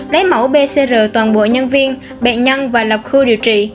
lấy mẫu bcr toàn bộ nhân viên bệnh nhân và lập khu điều trị